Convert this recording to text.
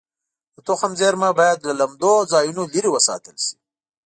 د تخم زېرمه باید له لمدو ځایونو لرې وساتل شي.